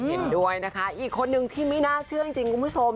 เห็นด้วยนะคะอีกคนนึงที่ไม่น่าเชื่อจริงคุณผู้ชม